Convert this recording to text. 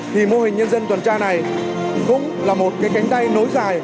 thì mô hình nhân dân tuần tra này cũng là một cái cánh tay nối dài